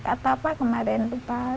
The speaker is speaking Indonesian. atau apa kemarin lupa